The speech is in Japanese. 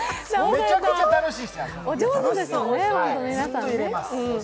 めちゃくちゃ楽しい。